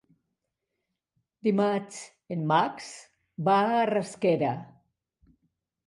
Dimarts en Max va a Rasquera.